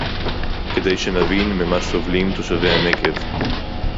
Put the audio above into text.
כדי שנבין ממה סובלים תושבי הנגב